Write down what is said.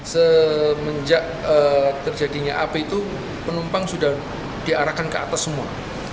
semenjak terjadinya api itu penumpang sudah diarahkan ke atas semua